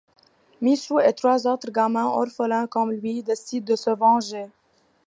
Michou et trois autres gamins, orphelins comme lui, décident de se venger.